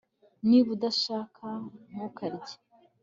Niba udashaka ntukarye